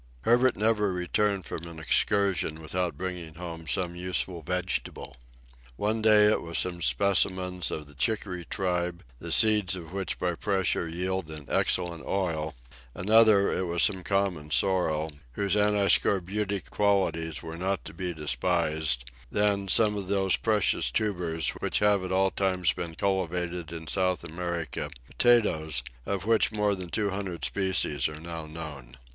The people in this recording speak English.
Herbert never returned from an excursion without bringing home some useful vegetable. One day, it was some specimens of the chicory tribe, the seeds of which by pressure yield an excellent oil; another, it was some common sorrel, whose antiscorbutic qualities were not to be despised; then, some of those precious tubers, which have at all times been cultivated in South America, potatoes, of which more than two hundred species are now known.